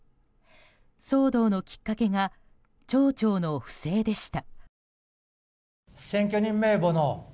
騒動のきっかけが町長の不正でした。